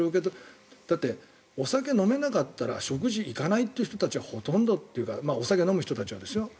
だって、お酒飲めなかったら食事行かないという人たちはほとんどというかお酒を飲む人たちは。